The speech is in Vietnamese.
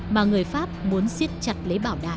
mà người pháp muốn xiết chặt lấy bảo đại